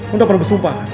lo udah pernah bersumpah